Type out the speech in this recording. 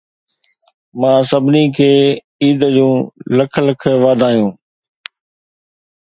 مان سڀني کي عيد جون لک لک واڌايون